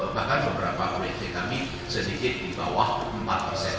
bahkan beberapa komite kami sedikit di bawah empat persen